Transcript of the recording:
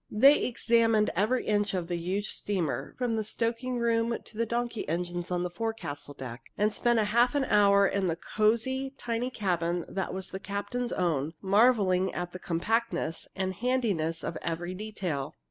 They examined every inch of the huge steamer, from the stoking room to the donkey engines on the forecastle deck, and spent half an hour in the cozy, tiny cabin that was the captain's own, marveling at the compactness and handiness of every detail.